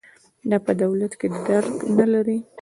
دا په دولت کې درک نه لري.